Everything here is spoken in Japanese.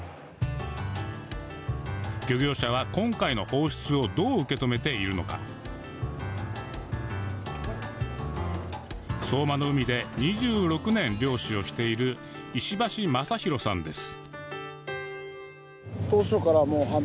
漁業者は今回の放出をどう受け止めているのか相馬の海で２６年漁師をしている石橋正裕さんです